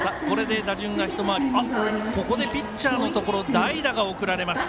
ここでピッチャーのところ代打が送られます。